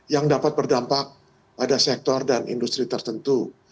yang dapat berdampak pada sektor dan industri tertentu